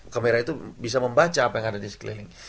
kamera itu bisa membaca apa yang ada di sekeliling